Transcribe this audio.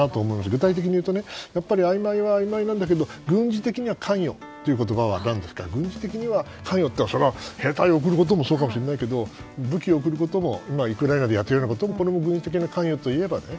具体的にいうとやっぱりあいまいはあいまいなんだけども軍事的には関与という言葉はそれは兵隊を送ることもそうかもしれないけど武器を送ることも今、ウクライナでやっていることも軍事的な関与といえば。